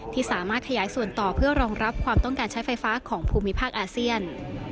ที่สามารถขยายส่วนต่อเพื่อรองรับความต้องการใช้ไฟฟ้าของภูมิภาคอาเซียน